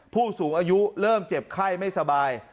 ผู้สูงอายุเริ่มเจ็บไข้ไม่สบาย